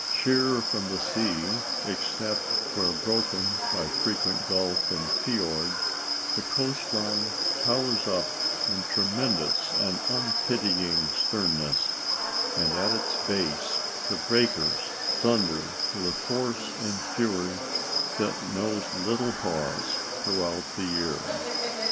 Sheer from the sea, except where broken by frequent gulf and fiord, the coast line towers up in tremendous and unpitying sternness, and at its base the breakers thunder with a force and fury that knows little pause throughout the year.